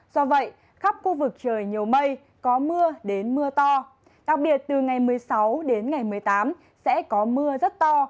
do vậy khắp khu vực trời nhiều mây có mưa đến mưa to đặc biệt từ ngày một mươi sáu đến ngày một mươi tám sẽ có mưa rất to